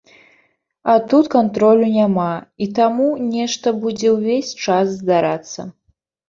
А тут кантролю няма, і таму нешта будзе ўвесь час здарацца.